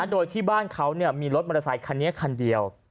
โดยที่บ้านเขามีรถมอเตอร์ไซคันนี้คันเดียว